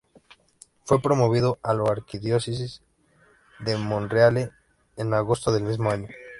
Fue promovido a la arquidiócesis de Monreale en agosto del mismo año.